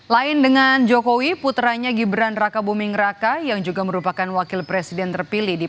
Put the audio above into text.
lain dengan jokowi putranya gibran raka buming raka yang juga merupakan wakil presiden terpilih di